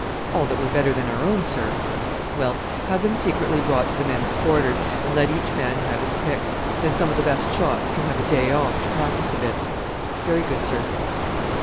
"All that were better than our own, sir." "Well, have them secretly brought to the men's quarters, and let each man have his pick. Then some of the best shots can have a day off to practise a bit." "Very good, sir."